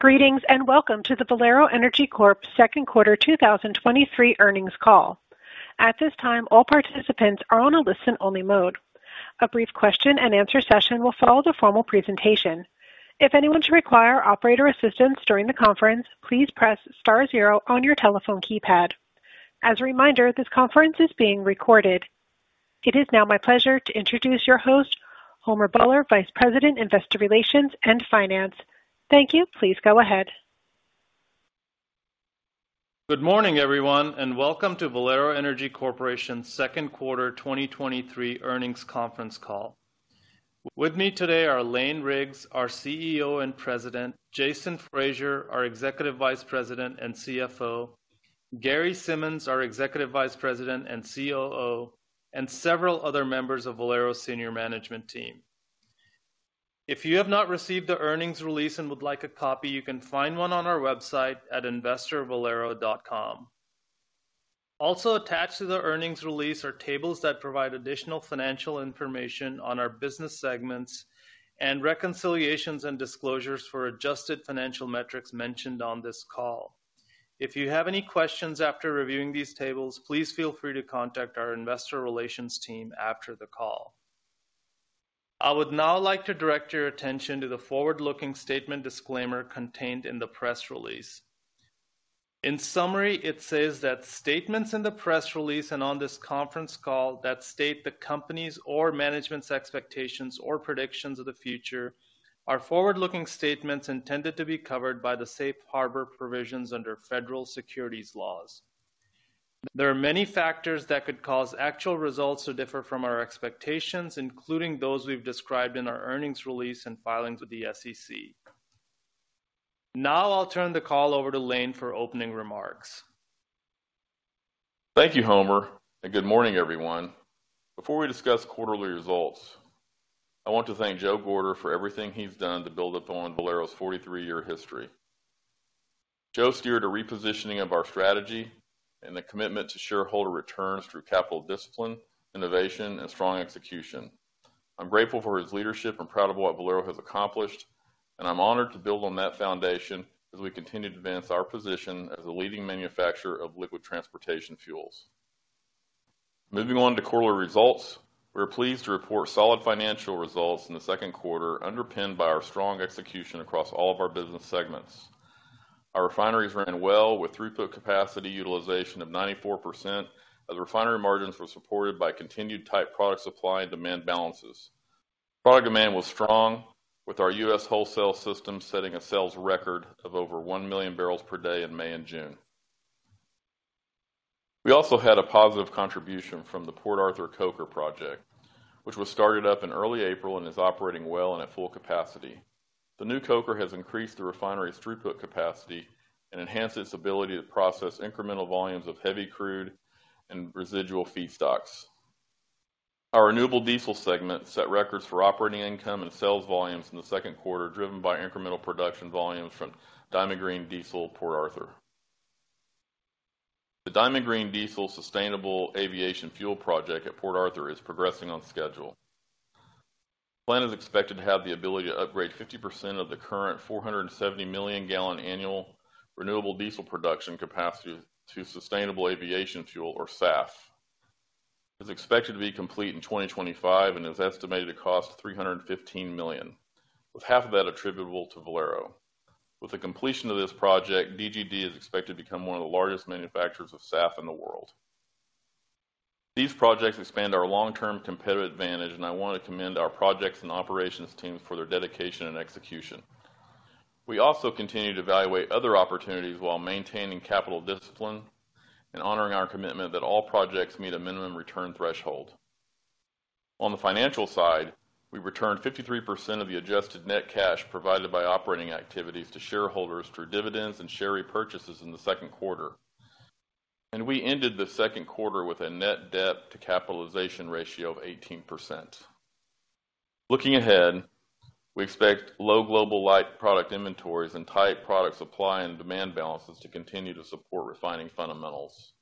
Greetings, welcome to the Valero Energy Corp Second Quarter 2023 Earnings Call. At this time, all participants are on a listen-only mode. A brief question and answer session will follow the formal presentation. If anyone should require operator assistance during the conference, please press star zero on your telephone keypad. As a reminder, this conference is being recorded. It is now my pleasure to introduce your host, Homer Bhullar, Vice President, Investor Relations and Finance. Thank you. Please go ahead. Good morning, everyone, and welcome to Valero Energy Corporation's second quarter 2023 earnings conference call. With me today are Lane Riggs, our CEO and President, Jason Fraser, our Executive Vice President and CFO, Gary Simmons, our Executive Vice President and COO, and several other members of Valero's senior management team. If you have not received the earnings release and would like a copy, you can find one on our website at investor.valero.com. Also attached to the earnings release are tables that provide additional financial information on our business segments and reconciliations and disclosures for adjusted financial metrics mentioned on this call. If you have any questions after reviewing these tables, please feel free to contact our investor relations team after the call. I would now like to direct your attention to the forward-looking statement disclaimer contained in the press release. In summary, it says that statements in the press release and on this conference call that state the company's or management's expectations or predictions of the future are forward-looking statements intended to be covered by the safe harbor provisions under federal securities laws. There are many factors that could cause actual results to differ from our expectations, including those we've described in our earnings release and filings with the SEC. I'll turn the call over to Lane for opening remarks. Thank you, Homer, good morning, everyone. Before we discuss quarterly results, I want to thank Joe Gorder for everything he's done to build upon Valero's 43-year history. Joe steered a repositioning of our strategy and the commitment to shareholder returns through capital discipline, innovation, and strong execution. I'm grateful for his leadership and proud of what Valero has accomplished, I'm honored to build on that foundation as we continue to advance our position as a leading manufacturer of liquid transportation fuels. Moving on to quarterly results, we are pleased to report solid financial results in the second quarter, underpinned by our strong execution across all of our business segments. Our refineries ran well, with throughput capacity utilization of 94%, as the refinery margins were supported by continued tight product supply and demand balances. Product demand was strong, with our US wholesale system setting a sales record of over 1 million barrels per day in May and June. We also had a positive contribution from the Port Arthur Coker project, which was started up in early April and is operating well and at full capacity. The new coker has increased the refinery's throughput capacity and enhanced its ability to process incremental volumes of heavy crude and residual feedstocks. Our renewable diesel segment set records for operating income and sales volumes in the second quarter, driven by incremental production volumes from Diamond Green Diesel, Port Arthur. The Diamond Green Diesel sustainable aviation fuel project at Port Arthur is progressing on schedule. The plant is expected to have the ability to upgrade 50% of the current 470 million gallon annual renewable diesel production capacity to sustainable aviation fuel or SAF. It's expected to be complete in 2025 and is estimated to cost $315 million, with half of that attributable to Valero. With the completion of this project, DGD is expected to become one of the largest manufacturers of SAF in the world. These projects expand our long-term competitive advantage, I want to commend our projects and operations teams for their dedication and execution. We also continue to evaluate other opportunities while maintaining capital discipline and honoring our commitment that all projects meet a minimum return threshold. On the financial side, we returned 53% of the adjusted net cash provided by operating activities to shareholders through dividends and share repurchases in the second quarter. We ended the second quarter with a net debt to capitalization ratio of 18%. Looking ahead, we expect low global light product inventories and tight product supply and demand balances to continue to support refining fundamentals.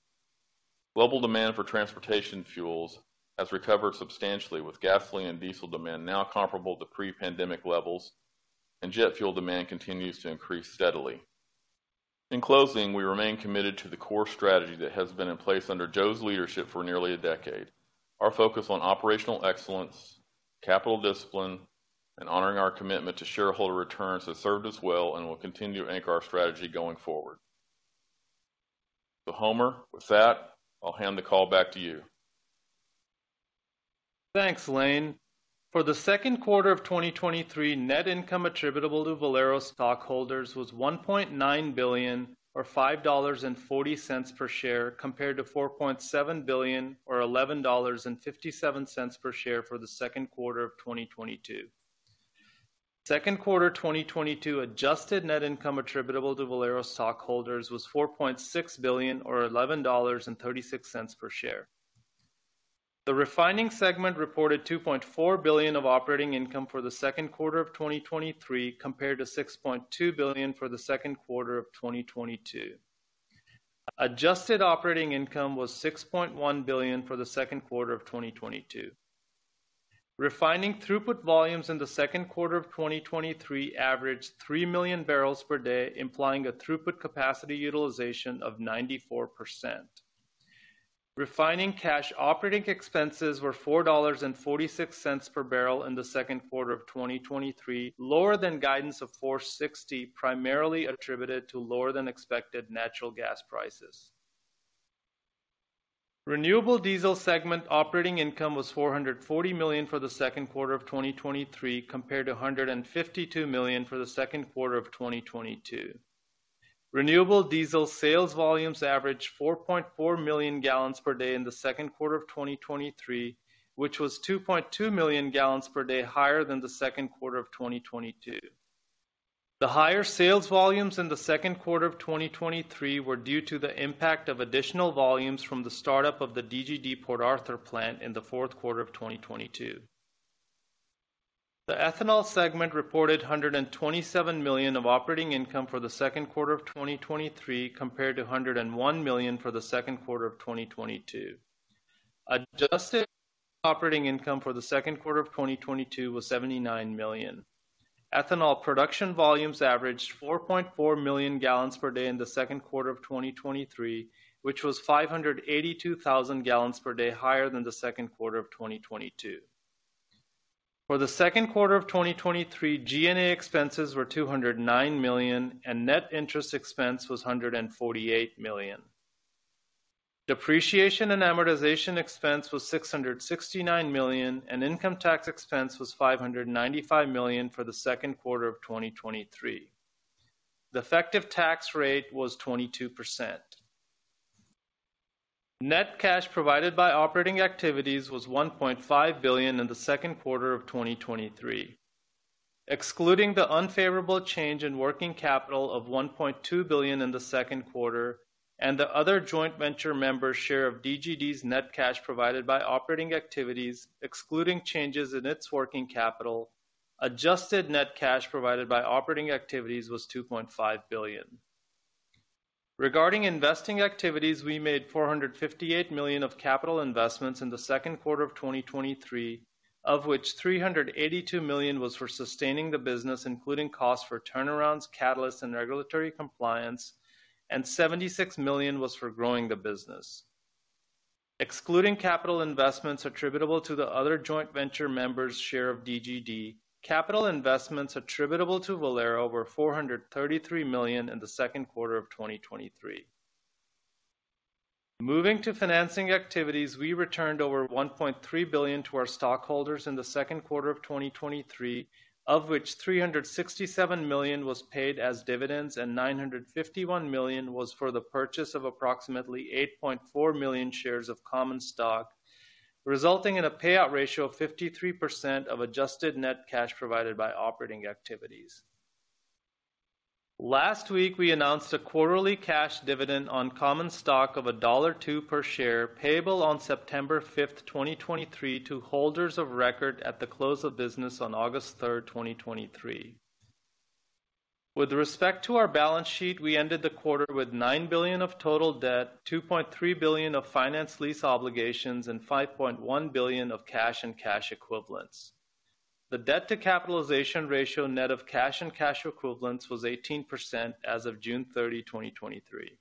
Global demand for transportation fuels has recovered substantially, with gasoline and diesel demand now comparable to pre-pandemic levels, and jet fuel demand continues to increase steadily. In closing, we remain committed to the core strategy that has been in place under Joe's leadership for nearly a decade. Our focus on operational excellence, capital discipline, and honoring our commitment to shareholder returns has served us well and will continue to anchor our strategy going forward. Homer, with that, I'll hand the call back to you. Thanks, Lane. For the second quarter of 2023, net income attributable to Valero stockholders was $1.9 billion or $5.40 per share, compared to $4.7 billion or $11.57 per share for the second quarter of 2022. Second quarter 2022 adjusted net income attributable to Valero stockholders was $4.6 billion or $11.36 per share. The refining segment reported $2.4 billion of operating income for the second quarter of 2023, compared to $6.2 billion for the second quarter of 2022. Adjusted operating income was $6.1 billion for the second quarter of 2022. Refining throughput volumes in the second quarter of 2023 averaged 3 million barrels per day, implying a throughput capacity utilization of 94%. Refining cash operating expenses were $4.46 per barrel in the second quarter of 2023, lower than guidance of $4.60, primarily attributed to lower than expected natural gas prices. Renewable diesel segment operating income was $440 million for the second quarter of 2023, compared to $152 million for the second quarter of 2022. Renewable diesel sales volumes averaged 4.4 million gallons per day in the second quarter of 2023, which was 2.2 million gallons per day higher than the second quarter of 2022. The higher sales volumes in the second quarter of 2023 were due to the impact of additional volumes from the startup of the DGD Port Arthur plant in the fourth quarter of 2022. The ethanol segment reported $127 million of operating income for the second quarter of 2023, compared to $101 million for the second quarter of 2022. Adjusted operating income for the second quarter of 2022 was $79 million. Ethanol production volumes averaged 4.4 million gallons per day in the second quarter of 2023, which was 582,000 gallons per day higher than the second quarter of 2022. For the second quarter of 2023, G&A expenses were $209 million, and net interest expense was $148 million. Depreciation and amortization expense was $669 million, and income tax expense was $595 million for the second quarter of 2023. The effective tax rate was 22%. Net cash provided by operating activities was $1.5 billion in the second quarter of 2023. Excluding the unfavorable change in working capital of $1.2 billion in the second quarter and the other joint venture member's share of DGD's net cash provided by operating activities, excluding changes in its working capital, adjusted net cash provided by operating activities was $2.5 billion. Regarding investing activities, we made $458 million of capital investments in the second quarter of 2023, of which $382 million was for sustaining the business, including costs for turnarounds, catalysts, and regulatory compliance, and $76 million was for growing the business. Excluding capital investments attributable to the other joint venture members' share of DGD, capital investments attributable to Valero were $433 million in the second quarter of 2023. Moving to financing activities, we returned over $1.3 billion to our stockholders in the second quarter of 2023, of which $367 million was paid as dividends and $951 million was for the purchase of approximately 8.4 million shares of common stock, resulting in a payout ratio of 53% of adjusted net cash provided by operating activities. Last week, we announced a quarterly cash dividend on common stock of $1.02 per share, payable on September 5th, 2023, to holders of record at the close of business on August 3rd, 2023. With respect to our balance sheet, we ended the quarter with $9 billion of total debt, $2.3 billion of finance lease obligations, and $5.1 billion of cash and cash equivalents. The debt-to-capitalization ratio, net of cash and cash equivalents, was 18% as of June 30, 2023.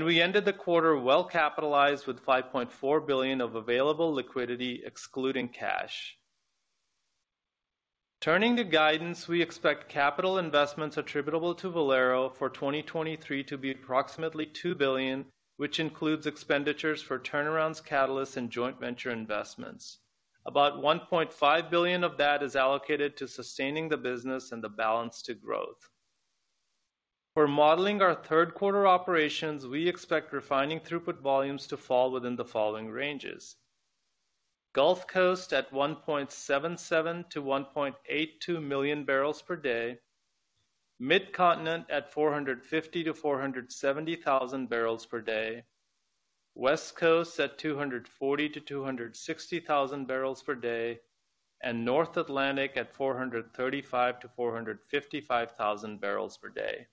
We ended the quarter well-capitalized with $5.4 billion of available liquidity, excluding cash. Turning to guidance, we expect capital investments attributable to Valero for 2023 to be approximately $2 billion, which includes expenditures for turnarounds, catalysts, and joint venture investments. About $1.5 billion of that is allocated to sustaining the business and the balance to growth. For modeling our third quarter operations, we expect refining throughput volumes to fall within the following ranges: Gulf Coast at 1.77 million-1.82 million barrels per day, Midcontinent at 450,000-470,000 barrels per day, West Coast at 240,000-260,000 barrels per day, and North Atlantic at 435,000-455,000 barrels per day.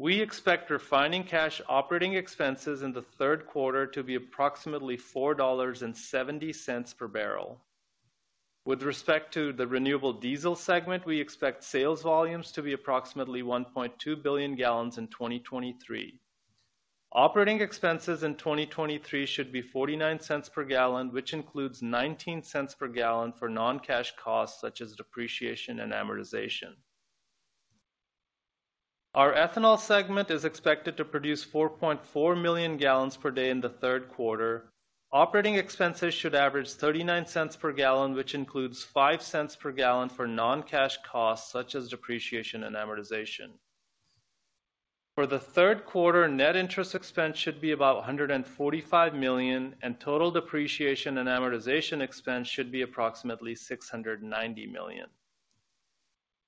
We expect refining cash operating expenses in the third quarter to be approximately $4.70 per barrel. With respect to the renewable diesel segment, we expect sales volumes to be approximately 1.2 billion gallons in 2023. Operating expenses in 2023 should be $0.49 per gallon, which includes $0.19 per gallon for non-cash costs such as depreciation and amortization. Our ethanol segment is expected to produce 4.4 million gallons per day in the third quarter. Operating expenses should average $0.39 per gallon, which includes $0.05 per gallon for non-cash costs such as depreciation and amortization. For the third quarter, net interest expense should be about $145 million, and total depreciation and amortization expense should be approximately $690 million.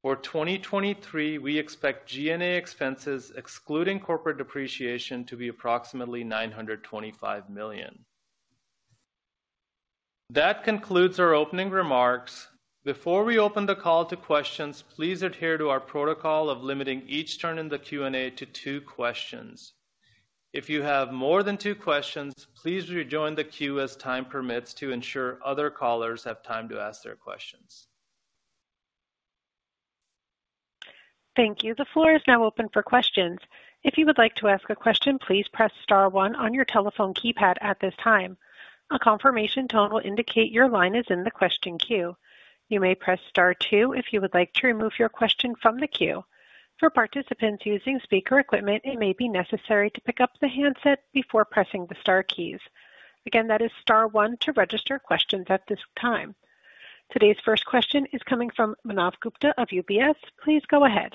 For 2023, we expect G&A expenses, excluding corporate depreciation, to be approximately $925 million. That concludes our opening remarks. Before we open the call to questions, please adhere to our protocol of limiting each turn in the Q&A to two questions. If you have more than two questions, please rejoin the queue as time permits to ensure other callers have time to ask their questions. Thank you. The floor is now open for questions. If you would like to ask a question, please press star one on your telephone keypad at this time. A confirmation tone will indicate your line is in the question queue. You may press star two if you would like to remove your question from the queue. For participants using speaker equipment, it may be necessary to pick up the handset before pressing the star keys. Again, that is star one to register questions at this time. Today's first question is coming from Manav Gupta of UBS. Please go ahead.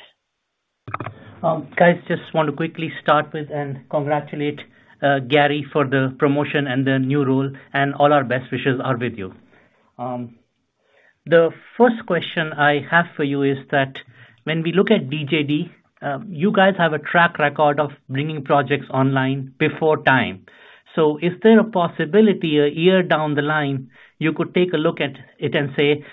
Guys, just want to quickly start with and congratulate Gary for the promotion and the new role, and all our best wishes are with you. The first question I have for you is that when we look at DGD, you guys have a track record of bringing projects online before time. Is there a possibility, a year down the line, you could take a look at it and say,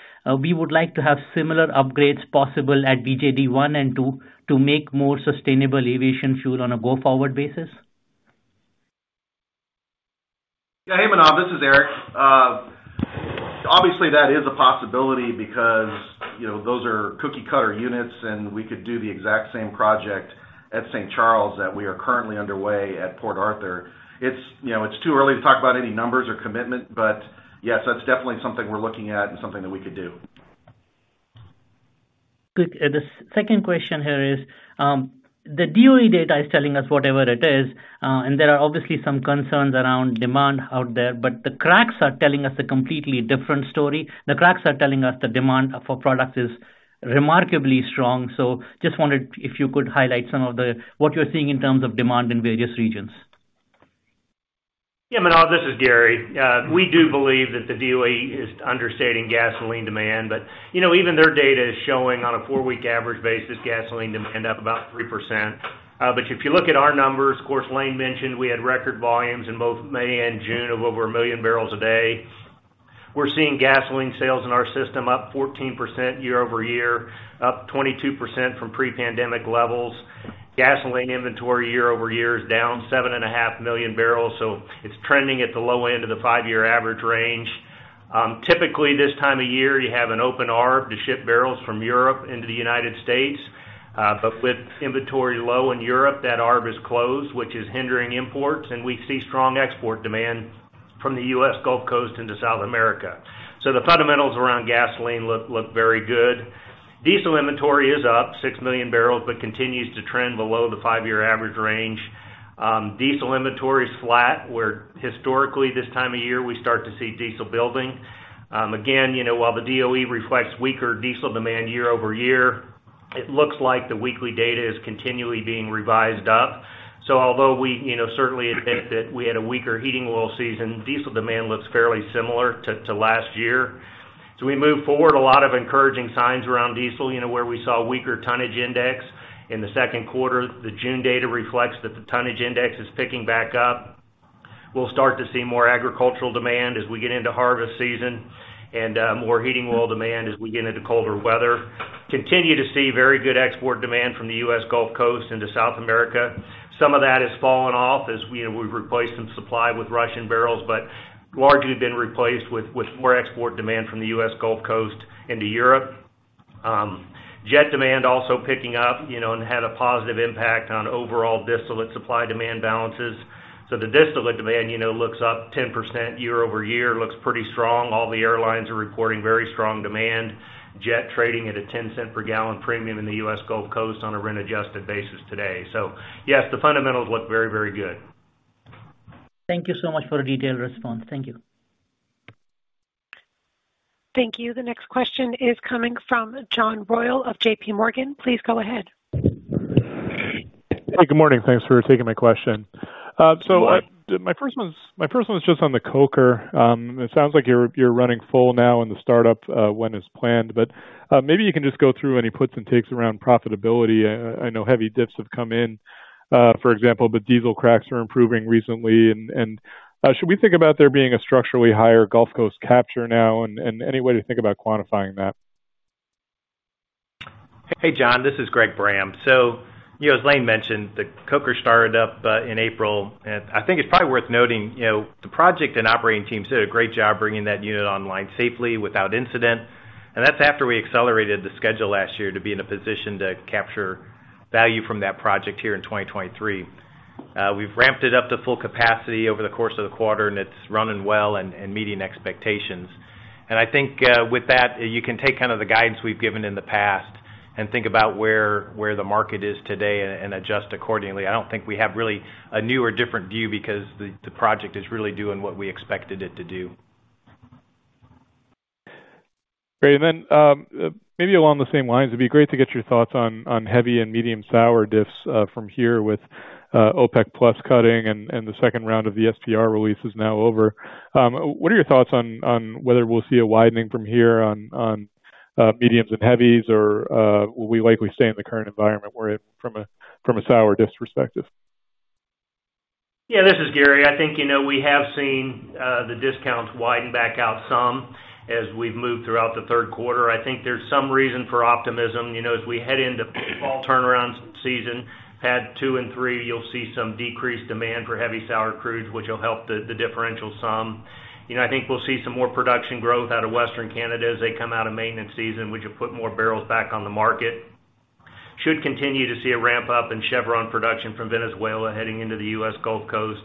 we would like to have similar upgrades possible at DGD one and two to make more sustainable aviation fuel on a go-forward basis? Yeah. Hey, Manav, this is Eric. Obviously, that is a possibility because, you know, those are cookie-cutter units, and we could do the exact same project at St. Charles that we are currently underway at Port Arthur. It's, you know, it's too early to talk about any numbers or commitment, but yes, that's definitely something we're looking at and something that we could do. Good. The second question here is, the DOE data is telling us whatever it is, and there are obviously some concerns around demand out there, but the cracks are telling us a completely different story. The cracks are telling us the demand for products is remarkably strong. Just wondered if you could highlight what you're seeing in terms of demand in various regions. Manav, this is Gary. We do believe that the DOE is understating gasoline demand, you know, even their data is showing on a four-week average basis, gasoline demand up about 3%. If you look at our numbers, of course, Lane mentioned we had record volumes in both May and June of over 1 million barrels a day. We're seeing gasoline sales in our system up 14% year-over-year, up 22% from pre-pandemic levels. Gasoline inventory year-over-year is down 7.5 million barrels, it's trending at the low end of the five-year average range. Typically, this time of year, you have an open arb to ship barrels from Europe into the United States, with inventory low in Europe, that arb is closed, which is hindering imports, and we see strong export demand from the US Gulf Coast into South America. The fundamentals around gasoline look very good. Diesel inventory is up 6 million barrels, continues to trend below the five-year average range. Diesel inventory is flat, where historically, this time of year, we start to see diesel building. Again, you know, while the DOE reflects weaker diesel demand year-over-year, it looks like the weekly data is continually being revised up. Although we, you know, certainly admit that we had a weaker heating oil season, diesel demand looks fairly similar to last year. We move forward a lot of encouraging signs around diesel, you know, where we saw a weaker tonnage index in the second quarter. The June data reflects that the tonnage index is picking back up. We'll start to see more agricultural demand as we get into harvest season and more heating oil demand as we get into colder weather. Continue to see very good export demand from the US Gulf Coast into South America. Some of that has fallen off as we've replaced some supply with Russian barrels, but largely been replaced with more export demand from the US Gulf Coast into Europe. Jet demand also picking up, you know, and had a positive impact on overall distillate supply-demand balances. The distillate demand, you know, looks up 10% year-over-year, looks pretty strong. All the airlines are reporting very strong demand. Jet trading at a $0.10 cent per gallon premium in the US Gulf Coast on a rent-adjusted basis today. Yes, the fundamentals look very, very good. Thank you so much for a detailed response. Thank you. Thank you. The next question is coming from John Royall of JPMorgan. Please go ahead. Hey, good morning. Thanks for taking my question. My first one is just on the Coker. It sounds like you're running full now in the startup when it's planned, but maybe you can just go through any puts and takes around profitability. I know heavy dips have come in, for example, but diesel cracks are improving recently, and should we think about there being a structurally higher Gulf Coast capture now? Any way to think about quantifying that? Hey, John, this is Greg Bram. You know, as Lane mentioned, the Coker started up in April. I think it's probably worth noting, you know, the project and operating teams did a great job bringing that unit online safely without incident, and that's after we accelerated the schedule last year to be in a position to capture value from that project here in 2023. We've ramped it up to full capacity over the course of the quarter, and it's running well and meeting expectations. I think, with that, you can take kind of the guidance we've given in the past and think about where, where the market is today and adjust accordingly. I don't think we have really a new or different view because the project is really doing what we expected it to do. Great. Then, maybe along the same lines, it'd be great to get your thoughts on heavy and medium sour diffs from here with OPEC+ cutting and the second round of the SPR release is now over. What are your thoughts on whether we'll see a widening from here on mediums and heavies, or will we likely stay in the current environment, where from a sour diffs perspective? Yeah, this is Gary. I think, you know, we have seen the discounts widen back out some as we've moved throughout the third quarter. I think there's some reason for optimism, you know, as we head into fall turnaround season, PADD 2 and 3, you'll see some decreased demand for heavy sour crude, which will help the differential some. You know, I think we'll see some more production growth out of Western Canada as they come out of maintenance season, which will put more barrels back on the market. Should continue to see a ramp up in Chevron production from Venezuela heading into the US Gulf Coast.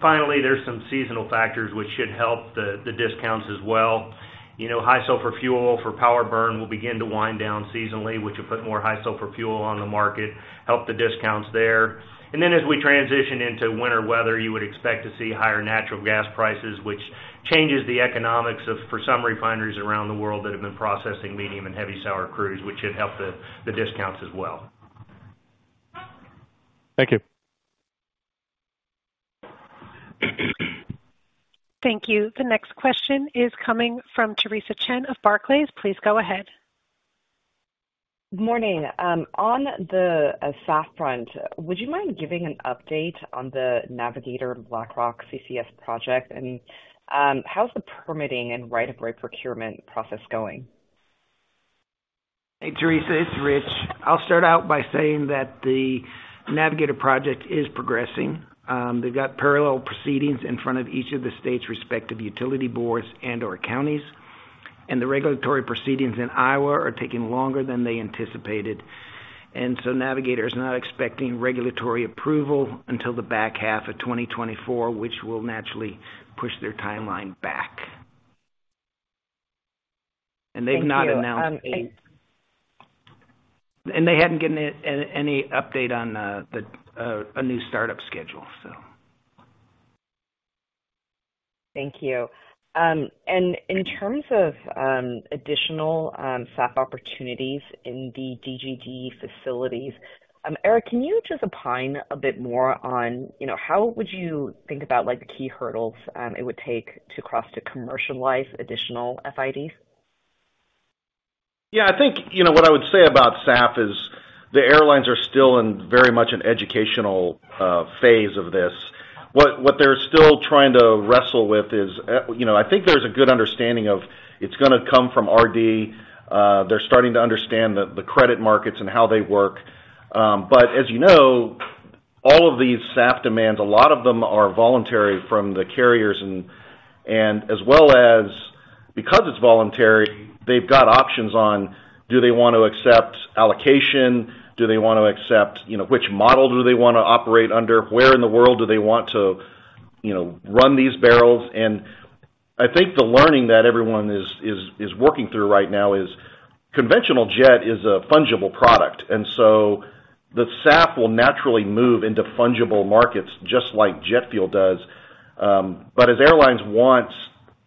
Finally, there's some seasonal factors, which should help the discounts as well. You know, high sulfur fuel for power burn will begin to wind down seasonally, which will put more high sulfur fuel on the market, help the discounts there. Then as we transition into winter weather, you would expect to see higher natural gas prices, which changes the economics of, for some refineries around the world that have been processing medium and heavy sour crudes, which should help the discounts as well. Thank you. Thank you. The next question is coming from Theresa Chen of Barclays. Please go ahead. Morning. On the SAF front, would you mind giving an update on the Navigator BlackRock CCS project? How's the permitting and right-of-way procurement process going? Hey, Teresa, it's Rich. I'll start out by saying that the Navigator project is progressing. They've got parallel proceedings in front of each of the state's respective utility boards and/or counties, the regulatory proceedings in Iowa are taking longer than they anticipated. Navigator is not expecting regulatory approval until the back half of 2024, which will naturally push their timeline back. Thank you. They hadn't given any update on the new startup schedule. Thank you. In terms of additional SAF opportunities in the DGD facilities, Eric, can you just opine a bit more on, you know, how would you think about, like, the key hurdles it would take to cross to commercialize additional FIDs? Yeah, I think, you know, what I would say about SAF is the airlines are still in very much an educational phase of this. What they're still trying to wrestle with is, you know, I think there's a good understanding of it's gonna come from RD. They're starting to understand the credit markets and how they work. As you know, all of these SAF demands, a lot of them are voluntary from the carriers and as well as because it's voluntary, they've got options on, do they want to accept allocation? Do they want to accept, you know, which model do they wanna operate under? Where in the world do they want to, you know, run these barrels? I think the learning that everyone is working through right now is conventional jet is a fungible product, the SAF will naturally move into fungible markets, just like jet fuel does. But as airlines want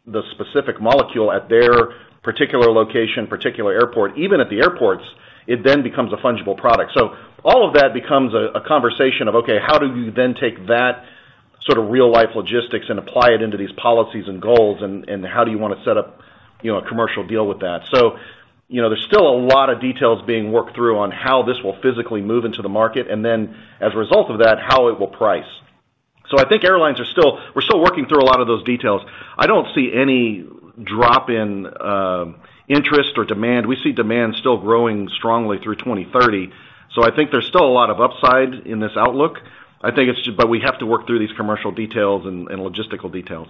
the specific molecule at their particular location, particular airport, even at the airports, it then becomes a fungible product. All of that becomes a conversation of, okay, how do you then take that sort of real-life logistics and apply it into these policies and goals, and how do you wanna set up, you know, a commercial deal with that? You know, there's still a lot of details being worked through on how this will physically move into the market, and then as a result of that, how it will price. I think airlines are still working through a lot of those details. I don't see any drop in interest or demand. We see demand still growing strongly through 2030. I think there's still a lot of upside in this outlook. We have to work through these commercial details and logistical details.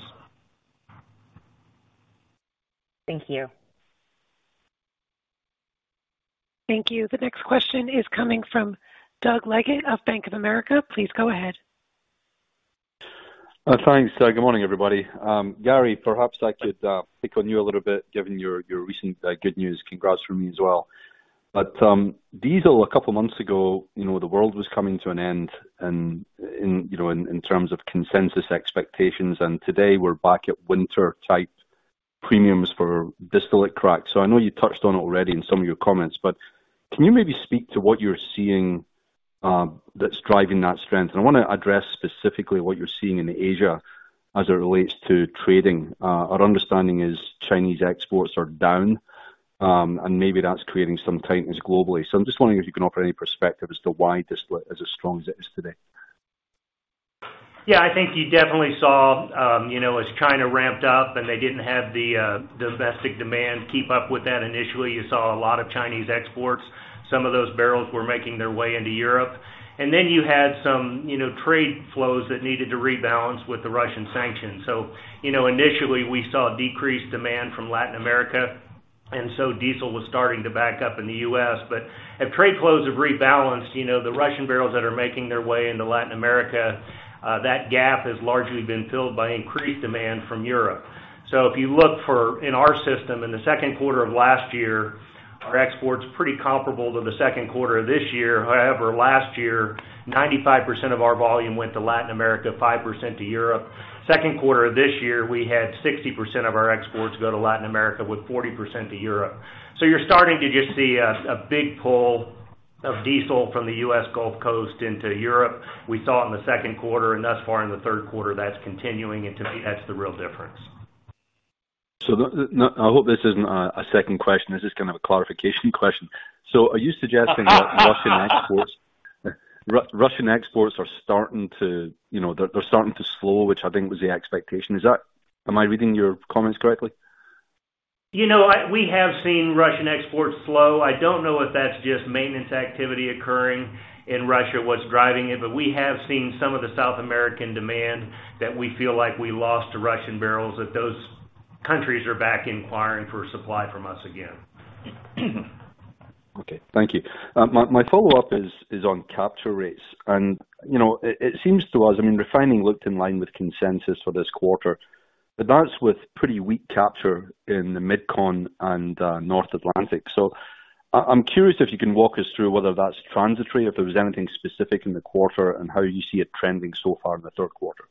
Thank you. Thank you. The next question is coming from Doug Leggate of Bank of America. Please go ahead. Thanks. Good morning, everybody. Gary, perhaps I could pick on you a little bit, given your recent good news. Congrats from me as well. Diesel, a couple months ago, you know, the world was coming to an end and in terms of consensus expectations, today we're back at winter-type premiums for distillate crack. I know you touched on it already in some of your comments, but can you maybe speak to what you're seeing that's driving that strength? I wanna address specifically what you're seeing in Asia as it relates to trading. Our understanding is Chinese exports are down, maybe that's creating some tightness globally. I'm just wondering if you can offer any perspective as to why distillate is as strong as it is today. I think you definitely saw, you know, as China ramped up and they didn't have the domestic demand keep up with that. Initially, you saw a lot of Chinese exports. Some of those barrels were making their way into Europe. You had some, you know, trade flows that needed to rebalance with the Russian sanctions. Initially we saw decreased demand from Latin America, diesel was starting to back up in the US. As trade flows have rebalanced, you know, the Russian barrels that are making their way into Latin America, that gap has largely been filled by increased demand from Europe. If you look for, in our system, in the second quarter of last year, our exports pretty comparable to the second quarter of this year. Last year, 95% of our volume went to Latin America, 5% to Europe. Second quarter of this year, we had 60% of our exports go to Latin America, with 40% to Europe. You're starting to just see a big pull of diesel from the US Gulf Coast into Europe. We saw it in the second quarter, and thus far in the third quarter, that's continuing, and to me, that's the real difference. The, now I hope this isn't a second question, this is kind of a clarification question. Are you suggesting Russian exports are starting to, you know, they're starting to slow, which I think was the expectation. Is that, am I reading your comments correctly? You know, I, we have seen Russian exports slow. I don't know if that's just maintenance activity occurring in Russia, what's driving it. We have seen some of the South American demand that we feel like we lost to Russian barrels, that those countries are back inquiring for supply from us again. Okay, thank you. My follow-up is on capture rates. You know, it, it seems to us, I mean, refining looked in line with consensus for this quarter, but that's with pretty weak capture in the MidCon and North Atlantic. I, I'm curious if you can walk us through whether that's transitory, if there was anything specific in the quarter and how you see it trending so far in the third quarter?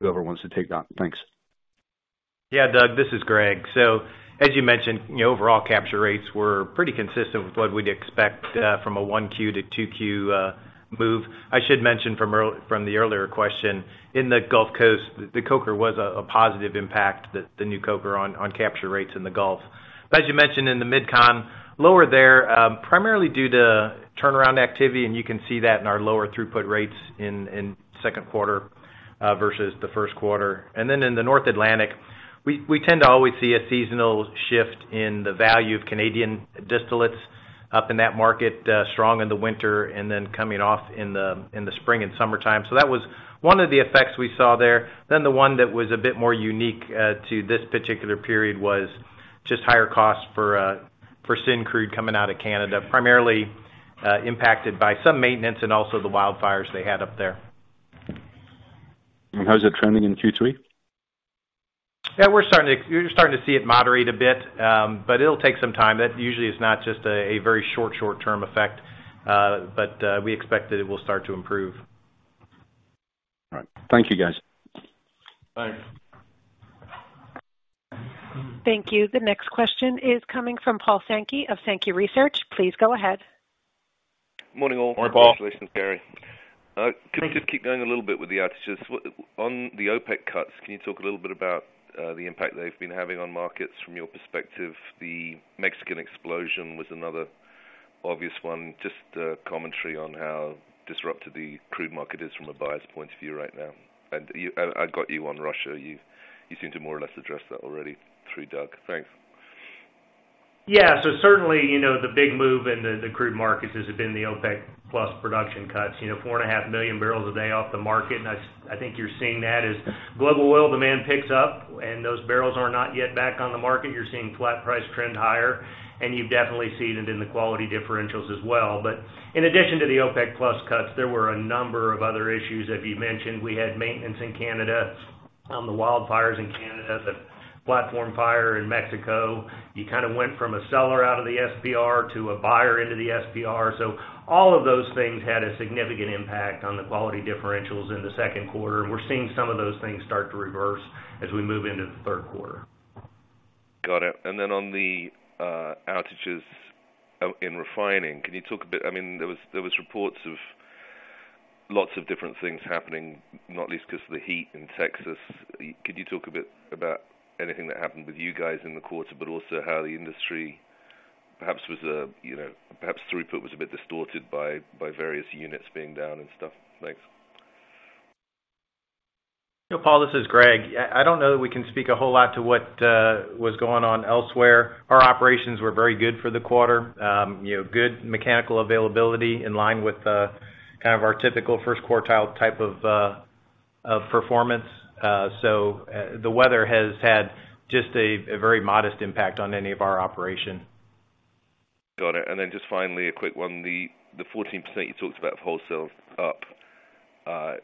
Whoever wants to take that. Thanks. Doug, this is Greg. As you mentioned, the overall capture rates were pretty consistent with what we'd expect from a 1Q to 2Q move. I should mention from the earlier question, in the Gulf Coast, the coker was a positive impact, the new coker on capture rates in the Gulf. As you mentioned in the MidCon, lower there, primarily due to turnaround activity, and you can see that in our lower throughput rates in second quarter versus the first quarter. In the North Atlantic, we tend to always see a seasonal shift in the value of Canadian distillates up in that market, strong in the winter and then coming off in the spring and summertime. That was one of the effects we saw there. The one that was a bit more unique to this particular period was just higher costs for Syncrude coming out of Canada, primarily impacted by some maintenance and also the wildfires they had up there. How is it trending in Q3? Yeah, we're starting to see it moderate a bit. It'll take some time. That usually is not just a very short, short-term effect. We expect that it will start to improve. All right. Thank you, guys. Thanks. Thank you. The next question is coming from Paul Sankey of Sankey Research. Please go ahead. Morning, all. Morning, Paul. Congratulations, Gary. Can we just keep going a little bit with the outages? On the OPEC cuts, can you talk a little bit about the impact they've been having on markets from your perspective? The Mexican explosion was another obvious one. Just a commentary on how disrupted the crude market is from a buyer's point of view right now. I got you on Russia. You seem to more or less address that already through Doug. Thanks. Certainly, you know, the big move in the crude markets has been the OPEC+ production cuts. You know, 4.5 million barrels a day off the market, I think you're seeing that as global oil demand picks up, those barrels are not yet back on the market. You're seeing flat price trend higher, you've definitely seen it in the quality differentials as well. In addition to the OPEC+ cuts, there were a number of other issues, as you mentioned. We had maintenance in Canada, the wildfires in Canada, the platform fire in Mexico. You kind of went from a seller out of the SPR to a buyer into the SPR. All of those things had a significant impact on the quality differentials in the second quarter. We're seeing some of those things start to reverse as we move into the third quarter. Got it. On the outages in refining, I mean, there was reports of lots of different things happening, not least because of the heat in Texas. Could you talk a bit about anything that happened with you guys in the quarter, also how the industry perhaps was, you know, perhaps throughput was a bit distorted by various units being down and stuff? Thanks. Paul, this is Greg. I don't know that we can speak a whole lot to what was going on elsewhere. Our operations were very good for the quarter. You know, good mechanical availability in line with kind of our typical first quartile type of performance. The weather has had just a very modest impact on any of our operation. Got it. Just finally, a quick one. The 14% you talked about of wholesales up,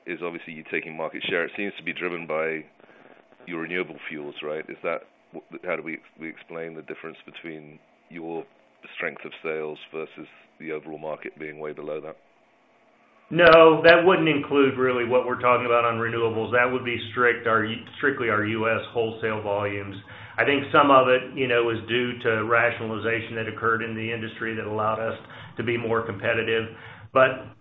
is obviously you taking market share. It seems to be driven by your renewable fuels, right? How do we explain the difference between your strength of sales versus the overall market being way below that? No, that wouldn't include really what we're talking about on renewables. That would be strictly our U.S. wholesale volumes. I think some of it, you know, is due to rationalization that occurred in the industry that allowed us to be more competitive.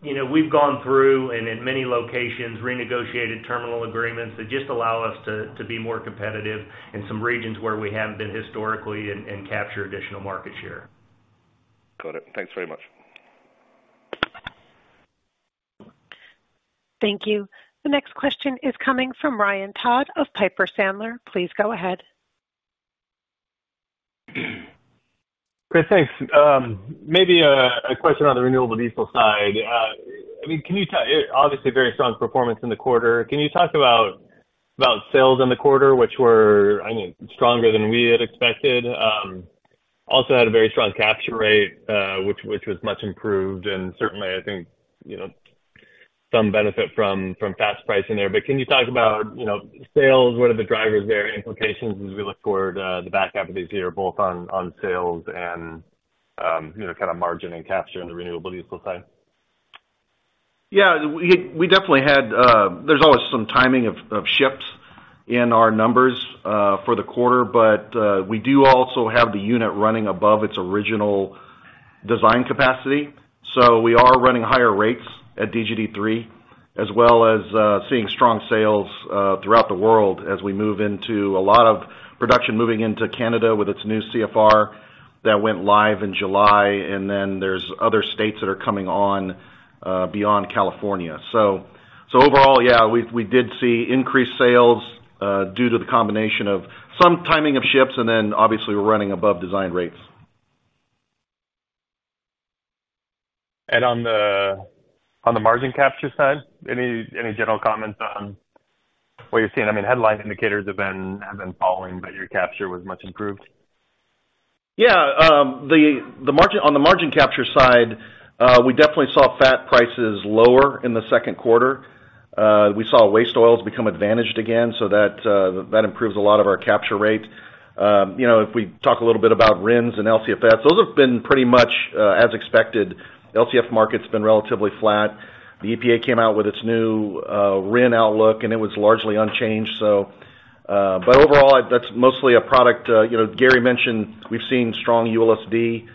You know, we've gone through, and in many locations, renegotiated terminal agreements that just allow us to be more competitive in some regions where we haven't been historically and capture additional market share. Got it. Thanks very much. Thank you. The next question is coming from Ryan Todd of Piper Sandler. Please go ahead. Great, thanks. maybe a question on the renewable diesel side. I mean, Obviously, very strong performance in the quarter. Can you talk about sales in the quarter, which were, I mean, stronger than we had expected? also had a very strong capture rate, which was much improved, and certainly, I think, you know, some benefit from fast pricing there. Can you talk about, you know, sales? What are the drivers there, implications as we look forward, the back half of this year, both on sales and, you know, kind of margin and capture on the renewable diesel side? Yeah, we definitely had. There's always some timing of ships in our numbers for the quarter, but we do also have the unit running above its original design capacity. We are running higher rates at DGD 3, as well as, seeing strong sales throughout the world as we move into a lot of production, moving into Canada with its new CFR that went live in July. There's other states that are coming on beyond California. Overall, yeah, we did see increased sales due to the combination of some timing of ships. Obviously we're running above design rates. On the margin capture side, any general comments on what you're seeing? I mean, headline indicators have been falling, but your capture was much improved. The margin capture side, we definitely saw fat prices lower in the second quarter. We saw waste oils become advantaged again, so that improves a lot of our capture rate. You know, if we talk a little bit about RINs and LCFS, those have been pretty much as expected. LCFS market's been relatively flat. The EPA came out with its new RIN outlook, and it was largely unchanged, so, but overall, that's mostly a product. You know, Gary mentioned we've seen strong ULSD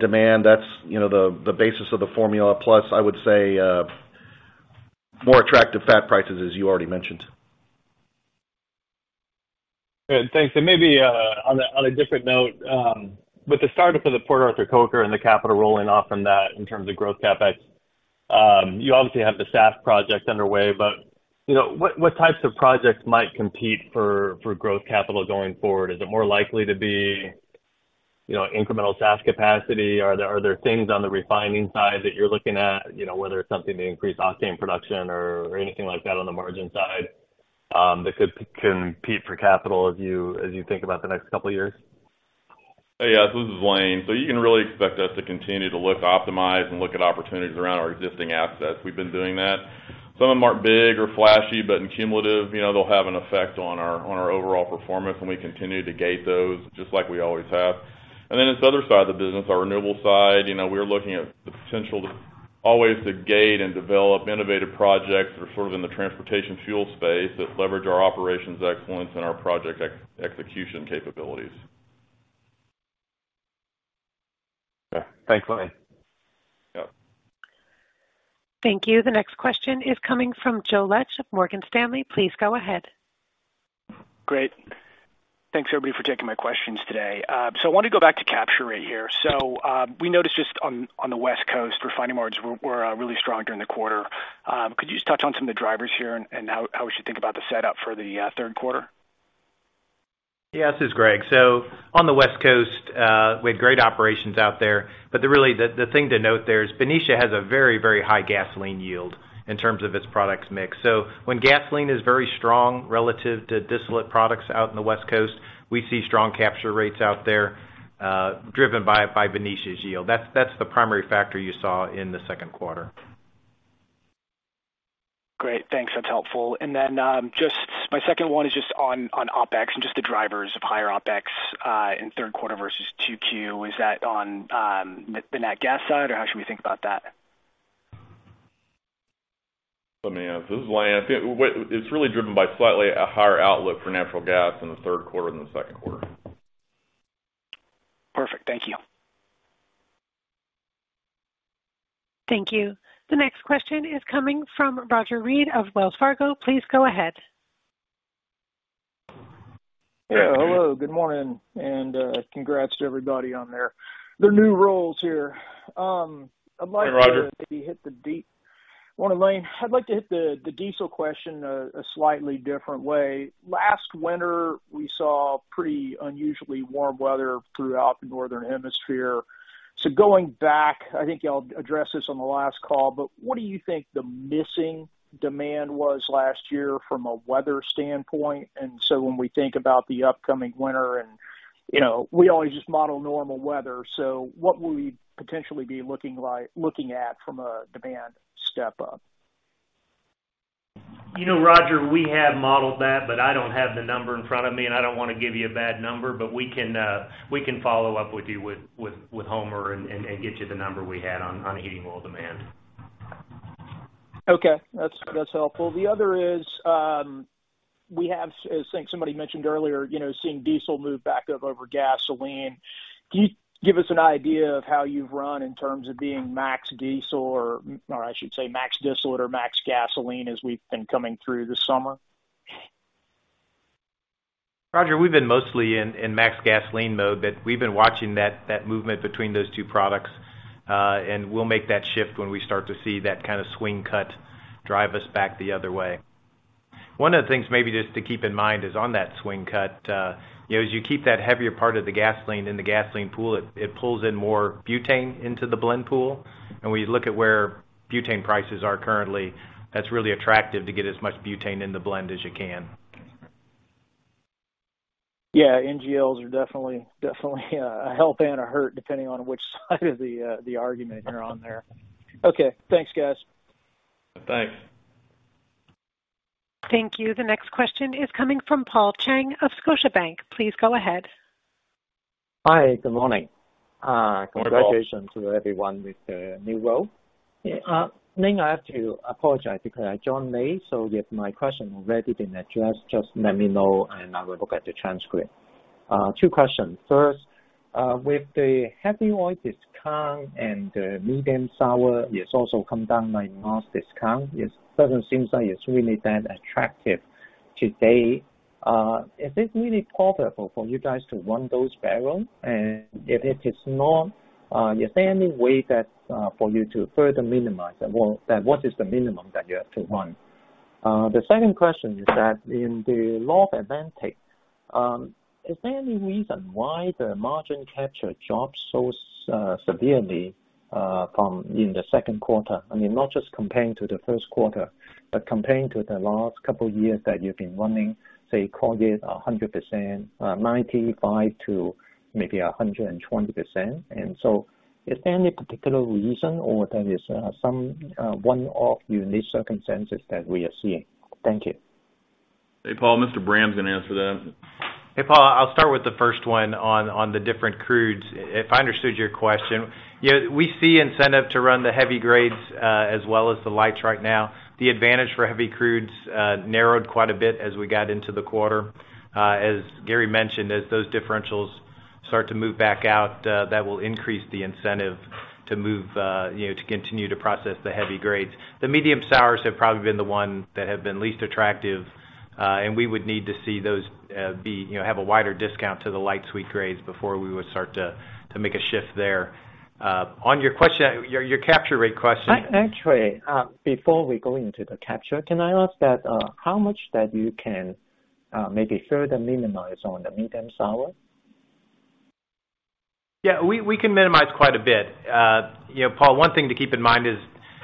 demand. That's the basis of the formula, plus, I would say, more attractive fat prices, as you already mentioned. Good. Thanks. maybe on a different note, with the startup of the Port Arthur Coker and the capital rolling off from that in terms of growth CapEx, you obviously have the SAF project underway, you know, what types of projects might compete for growth capital going forward? Is it more likely to be, you know, incremental SAF capacity? Are there things on the refining side that you're looking at, you know, whether it's something to increase octane production or anything like that on the margin side, that could compete for capital as you, as you think about the next couple of years? Hey, yes, this is Lane. You can really expect us to continue to look, optimize, and look at opportunities around our existing assets. We've been doing that. Some of them aren't big or flashy, but in cumulative, you know, they'll have an effect on our, on our overall performance, and we continue to gate those, just like we always have. This other side of the business, our renewable side, you know, we're looking at the potential to always to gate and develop innovative projects that are sort of in the transportation fuel space, that leverage our operations excellence and our project execution capabilities. Yeah. Thanks, Lane. Yep. Thank you. The next question is coming from Joe Laetsch of Morgan Stanley. Please go ahead. Great. Thanks, everybody, for taking my questions today. I wanted to go back to capture rate here. We noticed just on the West Coast, refining margins were really strong during the quarter. Could you just touch on some of the drivers here and how we should think about the setup for the third quarter? Yes, this is Greg. On the West Coast, we had great operations out there, but the really, the thing to note there is Benicia has a very, very high gasoline yield in terms of its products mix. When gasoline is very strong relative to distillate products out in the West Coast, we see strong capture rates out there, driven by Benicia's yield. That's the primary factor you saw in the second quarter. Great. Thanks. That's helpful. Then, just my second one is just on OpEx and just the drivers of higher OpEx in third quarter versus 2Q. Is that on the net gas side, or how should we think about that? This is Lane. I think it's really driven by slightly a higher outlook for natural gas in the third quarter than the second quarter. Perfect. Thank you. Thank you. The next question is coming from Roger Read of Wells Fargo. Please go ahead. Yeah, hello, good morning, and congrats to everybody on their, their new roles here. Hi, Roger. Well, Lane, I'd like to hit the, the diesel question a, a slightly different way. Last winter, we saw pretty unusually warm weather throughout the Northern Hemisphere. Going back, I think y'all addressed this on the last call, but what do you think the missing demand was last year from a weather standpoint? When we think about the upcoming winter and, you know, we always just model normal weather, what would we potentially be looking at from a demand step up? You know, Roger, we have modeled that, but I don't have the number in front of me, and I don't want to give you a bad number, but we can, we can follow up with you with Homer and get you the number we had on heating oil demand. Okay, that's helpful. The other is, we have, as I think somebody mentioned earlier, you know, seeing diesel move back up over gasoline. Can you give us an idea of how you've run in terms of being max diesel or, or I should say, max distillate or max gasoline as we've been coming through this summer? Roger, we've been mostly in max gasoline mode, but we've been watching that movement between those two products. We'll make that shift when we start to see that kind of swing cut drive us back the other way. One of the things maybe just to keep in mind is on that swing cut, you know, as you keep that heavier part of the gasoline in the gasoline pool, it pulls in more butane into the blend pool. When you look at where butane prices are currently, that's really attractive to get as much butane in the blend as you can. NGLs are definitely a help and a hurt, depending on which side of the argument you're on there. Okay. Thanks, guys. Thanks. Thank you. The next question is coming from Paul Cheng of Scotiabank. Please go ahead. Hi, good morning. Good morning. Congratulations to everyone with the new role. Yeah, may have to apologize because I joined late, so if my question already been addressed, just let me know and I will look at the transcript. Two questions. First, with the heavy oil discount and the medium sour, it's also come down by mass discount, it doesn't seem like it's really that attractive today. Is this really profitable for you guys to run those barrels? If it is not, is there any way that for you to further minimize that? Well, what is the minimum that you have to run? The second question is that in the North Atlantic, is there any reason why the margin capture dropped so severely from in the second quarter? I mean, not just comparing to the first quarter, but comparing to the last couple of years that you've been running, say, call it 100%, 95% to maybe 120%. Is there any particular reason or there is some one-off unique circumstances that we are seeing? Thank you. Hey, Paul, Mr. Bram's gonna answer that. Hey, Paul, I'll start with the first one on the different crudes. If I understood your question, yeah, we see incentive to run the heavy grades, as well as the lights right now. The advantage for heavy crudes, narrowed quite a bit as we got into the quarter. As Gary mentioned, as those differentials start to move back out, that will increase the incentive to move, you know, to continue to process the heavy grades. The medium sours have probably been the one that have been least attractive, and we would need to see those, be, you know, have a wider discount to the light sweet grades before we would start to make a shift there. On your question, your capture rate question. Actually, before we go into the capture, can I ask that, how much that you can, maybe further minimize on the medium sour? Yeah, we can minimize quite a bit. You know, Paul, one thing to keep in mind is,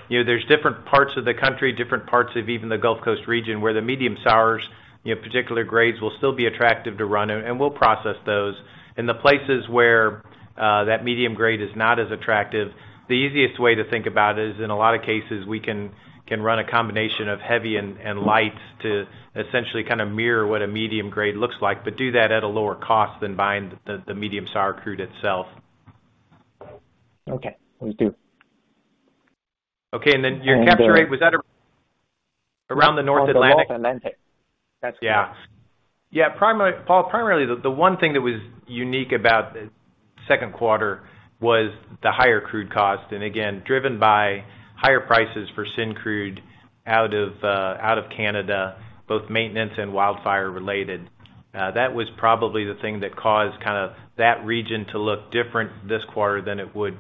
you know, there's different parts of the country, different parts of even the Gulf Coast region, where the medium sours, you know, particular grades will still be attractive to run, and we'll process those. In the places where that medium grade is not as attractive, the easiest way to think about it is, in a lot of cases, we can run a combination of heavy and lights to essentially kind of mirror what a medium grade looks like, but do that at a lower cost than buying the medium sour crude itself. Okay, thank you. Okay, your capture rate, was that around the North Atlantic? North Atlantic. That's correct. Yeah. Paul, primarily, the one thing that was unique about the second quarter was the higher crude cost, and again, driven by higher prices for Syncrude out of Canada, both maintenance and wildfire related. That was probably the thing that caused kind of that region to look different this quarter than it would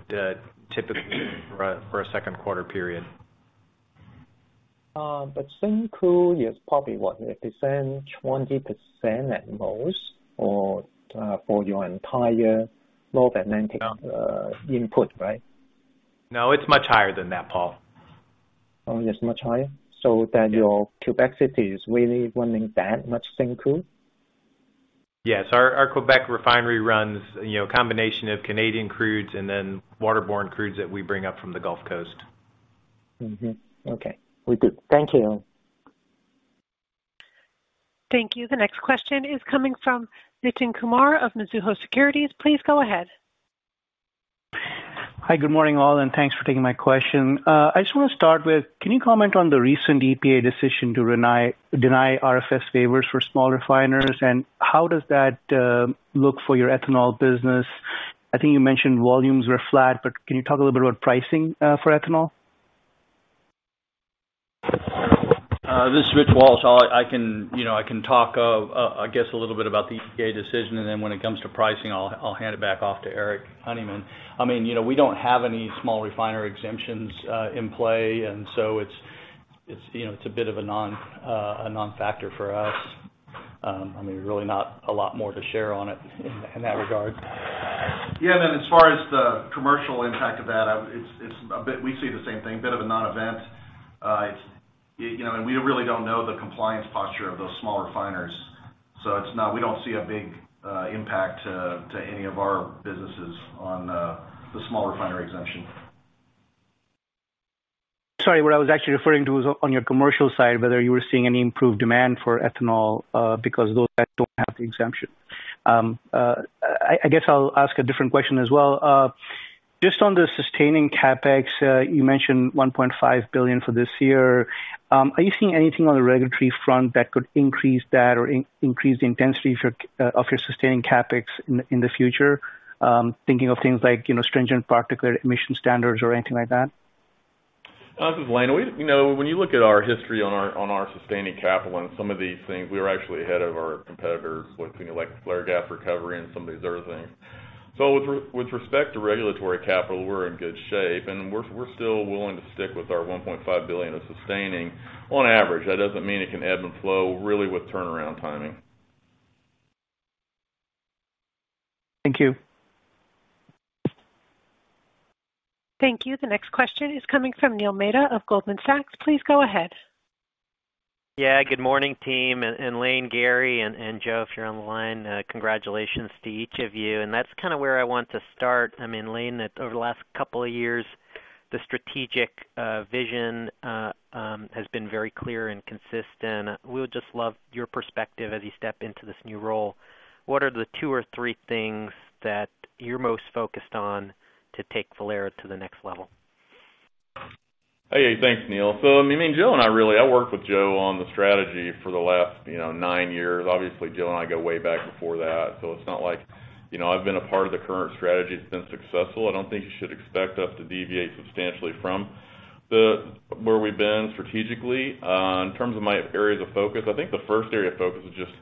typically for a second quarter period. Syncrude is probably what? 15%, 20% at most for your entire North Atlantic input, right? No, it's much higher than that, Paul. Oh, it's much higher? Your Quebec City is really running that much Syncrude? Our Quebec refinery runs, you know, a combination of Canadian crudes and then waterborne crudes that we bring up from the Gulf Coast. We good. Thank you. Thank you. The next question is coming from Nitin Kumar of Mizuho Securities. Please go ahead. Hi, good morning, all, and thanks for taking my question. I just want to start with, can you comment on the recent EPA decision to deny RFS waivers for small refiners, and how does that look for your ethanol business? I think you mentioned volumes were flat, but can you talk a little bit about pricing for ethanol? This is Rich Walsh. I can, you know, I can talk, I guess a little bit about the EPA decision. Then when it comes to pricing, I'll hand it back off to Eric Honeyman. I mean, you know, we don't have any small refinery exemptions in play, so it's, you know, it's a bit of a non, a non-factor for us. I mean, really not a lot more to share on it in that regard. Yeah, as far as the commercial impact of that, it's a bit. We see the same thing, a bit of a non-event. It's, you know, we really don't know the compliance posture of those small refiners. We don't see a big impact to any of our businesses on the small refinery exemption. Sorry, what I was actually referring to was on your commercial side, whether you were seeing any improved demand for ethanol, because those guys don't have the exemption. I guess I'll ask a different question as well. Just on the sustaining CapEx, you mentioned $1.5 billion for this year. Are you seeing anything on the regulatory front that could increase that or increase the intensity of your sustaining CapEx in the future? Thinking of things like, you know, stringent particular emission standards or anything like that. This is Lane. We, you know, when you look at our history on our, on our sustaining capital and some of these things, we are actually ahead of our competitors, with things like flare gas recovery and some of these other things. With respect to regulatory capital, we're in good shape, and we're, we're still willing to stick with our $1.5 billion of sustaining on average. That doesn't mean it can ebb and flow, really with turnaround timing. Thank you. Thank you. The next question is coming from Neil Mehta of Goldman Sachs. Please go ahead. Yeah, good morning, team. Lane, Gary, and Joe, if you're on the line, congratulations to each of you. That's kind of where I want to start. I mean, Lane, over the last couple of years, the strategic vision has been very clear and consistent. We would just love your perspective as you step into this new role. What are the two or three things that you're most focused on to take Valero to the next level? Hey, thanks, Neil. I mean, Joe and I really, I worked with Joe on the strategy for the last, you know, nine years. Obviously, Joe and I go way back before that, so it's not like, you know, I've been a part of the current strategy that's been successful. I don't think you should expect us to deviate substantially from where we've been strategically. In terms of my areas of focus, I think the first area of focus is just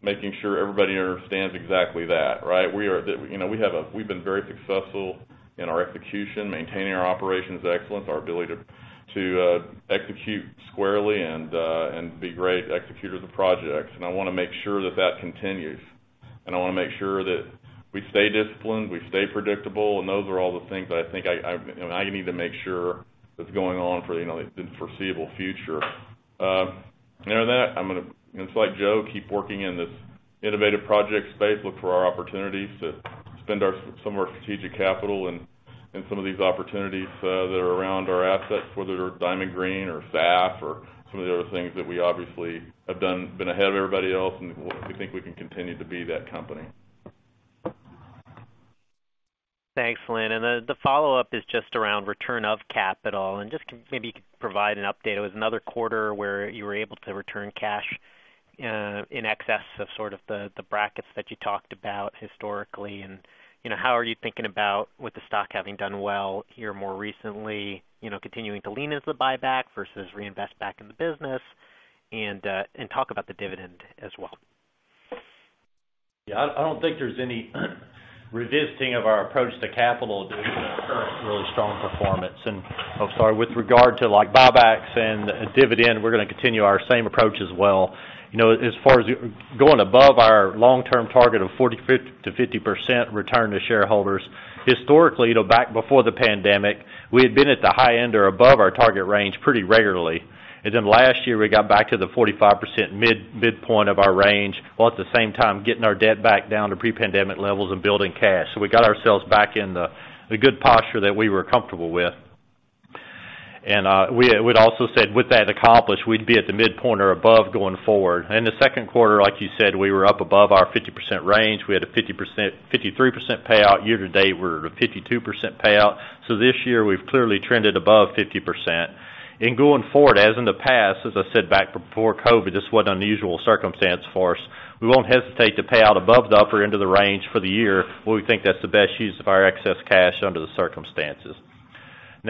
making sure everybody understands exactly that, right? We are, you know, we've been very successful in our execution, maintaining our operations excellence, our ability to execute squarely and be great executors of projects. I want to make sure that that continues, I want to make sure that we stay disciplined, we stay predictable, and those are all the things I think I, you know, I need to make sure that's going on for, you know, the foreseeable future. Other than that, I'm gonna, just like Joe, keep working in this innovative project space, look for opportunities to spend some of our strategic capital in some of these opportunities that are around our assets, whether they're Diamond Green or SAF or some of the other things that we obviously been ahead of everybody else, and we think we can continue to be that company. Thanks, Lane. Then the follow-up is just around return of capital, and just maybe you could provide an update. It was another quarter where you were able to return cash in excess of sort of the brackets that you talked about historically. You know, how are you thinking about with the stock having done well here more recently, you know, continuing to lean into the buyback versus reinvest back in the business, and talk about the dividend as well? I don't think there's any revisiting of our approach to capital due to the current really strong performance. With regard to, like buybacks and dividend, we're gonna continue our same approach as well. You know, as far as going above our long-term target of 45%-50% return to shareholders, historically, though, back before the pandemic, we had been at the high end or above our target range pretty regularly. Last year, we got back to the 45% midpoint of our range, while at the same time getting our debt back down to pre-pandemic levels and building cash. We got ourselves back in the, the good posture that we were comfortable with. We'd also said with that accomplished, we'd be at the midpoint or above going forward. In the second quarter, like you said, we were up above our 50% range. We had a 50%, 53% payout. Year to date, we're at a 52% payout. This year, we've clearly trended above 50%. Going forward, as in the past, as I said, back before COVID, this was an unusual circumstance for us. We won't hesitate to pay out above the upper end of the range for the year, where we think that's the best use of our excess cash under the circumstances.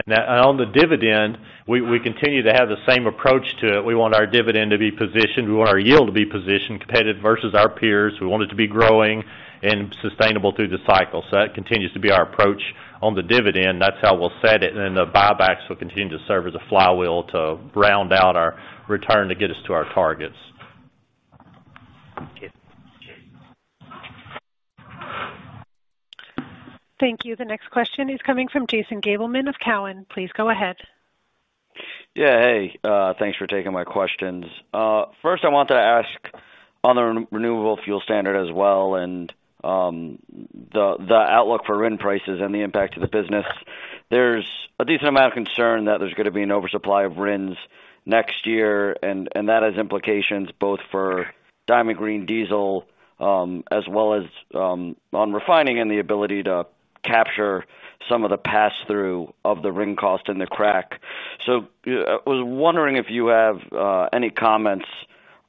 On the dividend, we continue to have the same approach to it. We want our dividend to be positioned, we want our yield to be positioned competitive versus our peers. We want it to be growing and sustainable through the cycle. That continues to be our approach on the dividend. That's how we'll set it, and then the buybacks will continue to serve as a flywheel to round out our return to get us to our targets. Okay. Okay. Thank you. The next question is coming from Jason Gabelman of Cowen. Please go ahead. Thanks for taking my questions. First, I wanted to ask on the Renewable Fuel Standard as well, and the outlook for RIN prices and the impact to the business. There's a decent amount of concern that there's gonna be an oversupply of RINs next year, and that has implications both for Diamond Green Diesel, as well as on refining and the ability to capture some of the pass-through of the RIN cost and the crack. I was wondering if you have any comments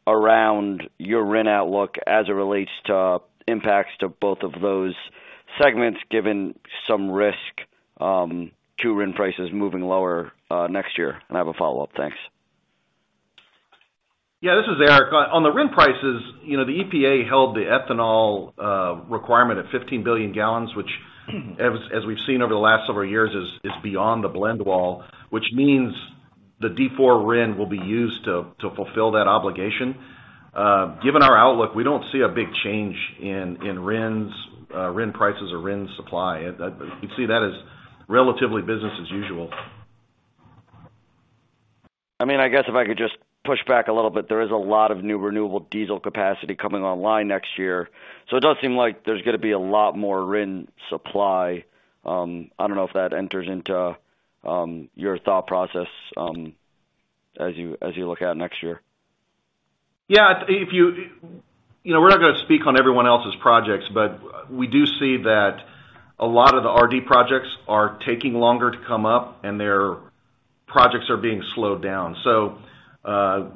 around your RIN outlook as it relates to impacts to both of those segments, given some risk to RIN prices moving lower next year? I have a follow-up. Thanks. Yeah, this is Eric. On the RIN prices, you know, the EPA held the ethanol requirement at 15 billion gallons, which as we've seen over the last several years, is beyond the blend wall, which means the D4 RIN will be used to fulfill that obligation. Given our outlook, we don't see a big change in RINs, RIN prices or RIN supply. We see that as relatively business as usual. I mean, I guess if I could just push back a little bit, there is a lot of new renewable diesel capacity coming online next year, so it does seem like there's gonna be a lot more RIN supply. I don't know if that enters into your thought process, as you look at next year. Yeah, you know, we're not gonna speak on everyone else's projects, but we do see that a lot of the RD projects are taking longer to come up, and their projects are being slowed down. Our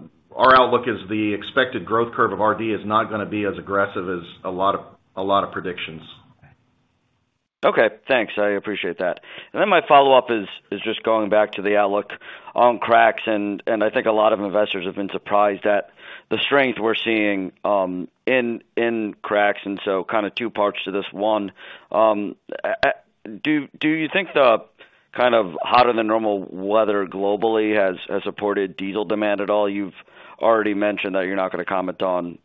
outlook is the expected growth curve of RD is not gonna be as aggressive as a lot of predictions. Okay, thanks. I appreciate that. My follow-up is, is just going back to the outlook on cracks, and I think a lot of investors have been surprised at the strength we're seeing in cracks, and so kind of two parts to this. One, do you think the kind of hotter than normal weather globally has supported diesel demand at all? You've already mentioned that you're not gonna comment on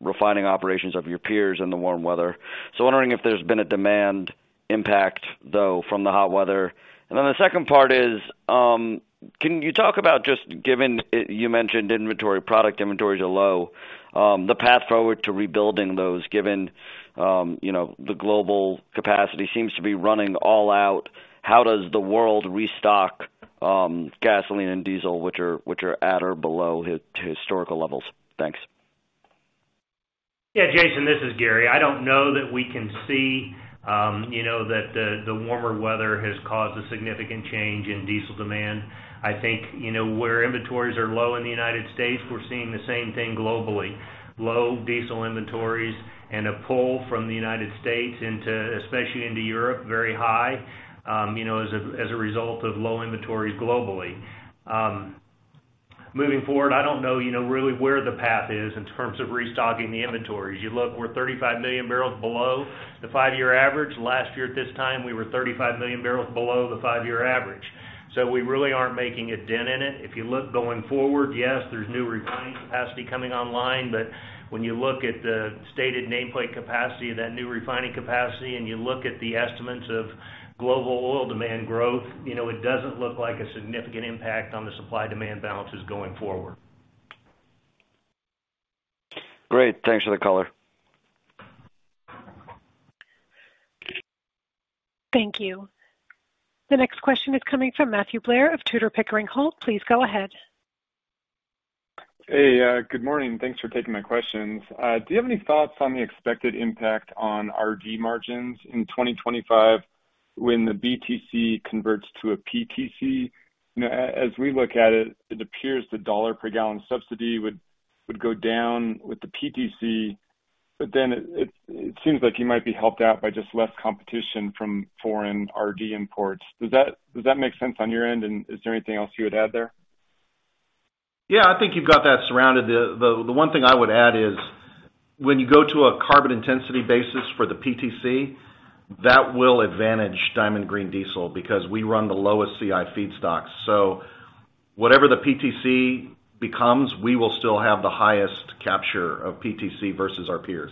refining operations of your peers in the warm weather. Wondering if there's been a demand impact, though, from the hot weather? The second part is, can you talk about just given, you mentioned inventory, product inventories are low, the path forward to rebuilding those, given, you know, the global capacity seems to be running all out, how does the world restock gasoline and diesel, which are at or below historical levels? Thanks. Yeah, Jason, this is Gary. I don't know that we can see, you know, that the warmer weather has caused a significant change in diesel demand. I think, you know, where inventories are low in the United States, we're seeing the same thing globally. Low diesel inventories and a pull from the United States into, especially into Europe, very high, you know, as a result of low inventories globally. moving forward, I don't know, you know, really where the path is in terms of restocking the inventories. You look, we're 35 million barrels below the five-year average. Last year at this time, we were 35 million barrels below the -year average. We really aren't making a dent in it. If you look going forward, yes, there's new refining capacity coming online, but when you look at the stated nameplate capacity of that new refining capacity, and you look at the estimates of global oil demand growth, you know, it doesn't look like a significant impact on the supply-demand balance is going forward. Great. Thanks for the color. Thank you. The next question is coming from Matthew Blair of Tudor, Pickering Holt. Please go ahead. Good morning, and thanks for taking my questions. Do you have any thoughts on the expected impact on RD margins in 2025 when the BTC converts to a PTC? You know, as we look at it, it appears the $ per gallon subsidy would go down with the PTC, but then it seems like you might be helped out by just less competition from foreign RD imports. Does that make sense on your end, and is anything else you would add there? Yeah, I think you've got that surrounded. The one thing I would add is, when you go to a carbon intensity basis for the PTC, that will advantage Diamond Green Diesel because we run the lowest CI feedstock. Whatever the PTC becomes, we will still have the highest capture of PTC versus our peers.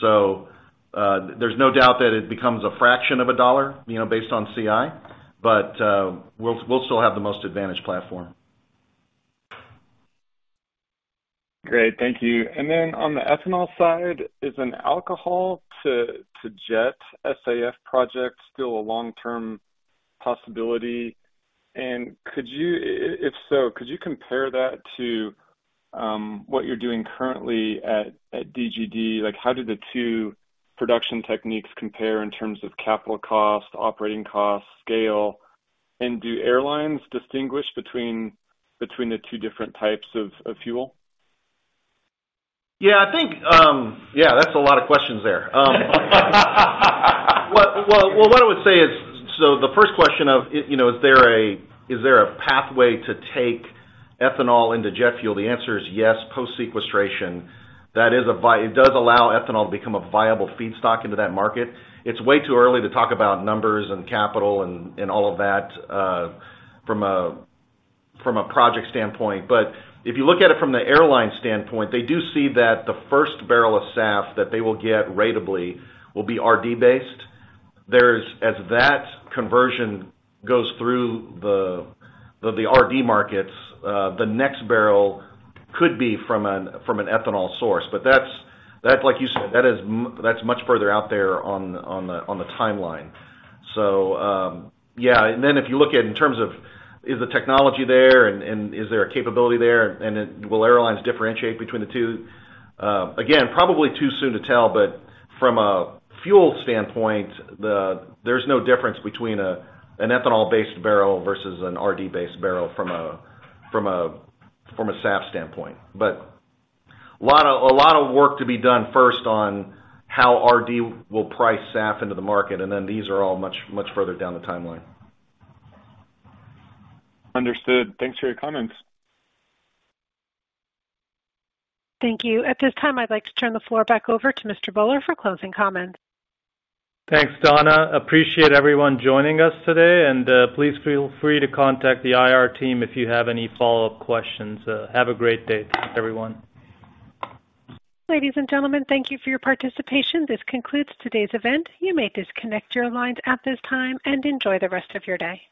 There's no doubt that it becomes a fraction of a dollar, you know, based on CI, but we'll still have the most advantaged platform. Great, thank you. Then on the ethanol side, is an alcohol to jet SAF project still a long-term possibility? If so, could you compare that to what you're doing currently at DGD? Like, how do the two production techniques compare in terms of capital costs, operating costs, scale, and do airlines distinguish between the two different types of fuel? I think. Yeah, that's a lot of questions there. What I would say is, the first question of, you know, is there a pathway to take ethanol into jet fuel? The answer is yes, post sequestration. That is, it does allow ethanol to become a viable feedstock into that market. It's way too early to talk about numbers and capital and all of that, from a project standpoint. If you look at it from the airline standpoint, they do see that the first barrel of SAF that they will get ratably will be RD based. There's, as that conversion goes through the RD markets, the next barrel could be from an ethanol source, but that's like you said, that's much further out there on the timeline. If you look at in terms of, is the technology there and, and is there a capability there, will airlines differentiate between the two? Again, probably too soon to tell, but from a fuel standpoint, there's no difference between an ethanol-based barrel versus an RD-based barrel from a, from a, from a SAF standpoint. A lot of, a lot of work to be done first on how RD will price SAF into the market, these are all much, much further down the timeline. Understood. Thanks for your comments. Thank you. At this time, I'd like to turn the floor back over to Mr. Bhullar for closing comments. Thanks, Donna. Appreciate everyone joining us today, and please feel free to contact the IR team if you have any follow-up questions. Have a great day, everyone. Ladies and gentlemen, thank you for your participation. This concludes today's event. You may disconnect your lines at this time and enjoy the rest of your day.